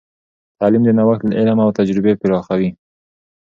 تعلیم د نوښت علم او تجربې پراخوي.